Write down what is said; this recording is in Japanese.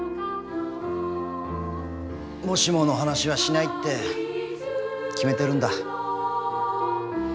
もしもの話はしないって決めてるんだ。